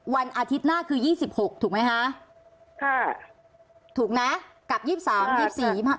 วันอาทิตย์หน้าคือยี่สิบหกถูกไหมคะค่ะถูกไหมกับยี่สิบสามยี่สิบสี่มา